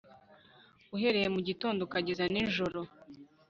uhereye mu gitondo ukageza nijoro